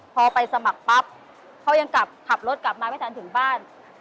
พอไปสมัครปั๊บเขายังกลับขับรถกลับมาไม่ทันถึงบ้าน